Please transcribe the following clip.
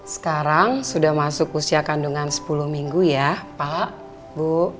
sekarang sudah masuk usia kandungan sepuluh minggu ya pak